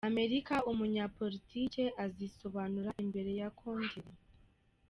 Amerika umunyeporitike azisobanura imbere ya Kongere